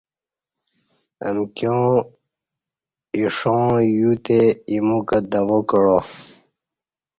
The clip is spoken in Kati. امکیا ایشاں یوتہ ایمو کں دوا کعا